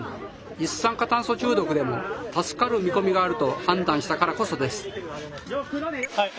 一酸化炭素中毒でも助かる見込みがあると判断したからこそです。